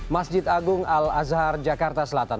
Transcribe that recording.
masjid agung al azhar jakarta selatan